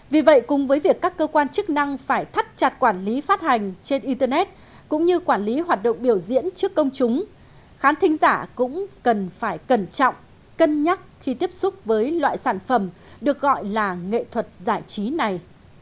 vì vậy cùng với việc các cơ quan chức năng phải thắt chặt quản lý phát hành trên internet cũng như quản lý hoạt động biểu diễn trước công chúng khán thính giả cũng cần phải cẩn trọng cân nhắc khi tiếp xúc với loại sản phẩm được gọi là nghệ thuật giải trí này